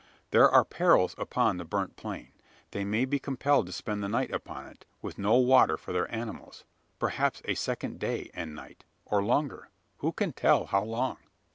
There are perils upon the burnt plain. They may be compelled to spend the night upon it, with no water for their animals. Perhaps a second day and night or longer who can tell how long?